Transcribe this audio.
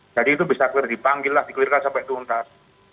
jadi itu bisa clear dipanggil lah di clear kan sampai tuntas